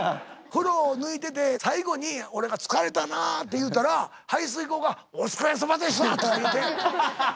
風呂抜いてて最後に俺が「疲れたなあ」って言うたら排水口が「お疲れさまでした」とか言うて。